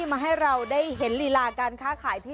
สำหรับไม้ไม่ว่าสวัสดิต